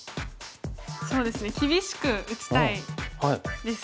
そうですね厳しく打ちたいです。